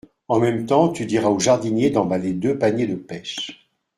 En même temps, tu diras au jardinier d’emballer deux paniers de pêches.